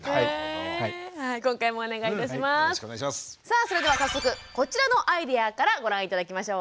さあそれでは早速こちらのアイデアからご覧頂きましょう。